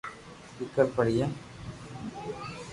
ڪيڪر ڀرئي